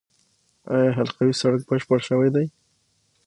آیا حلقوي سړک بشپړ شوی دی؟